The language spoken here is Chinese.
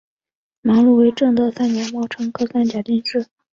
马录为正德三年戊辰科三甲进士。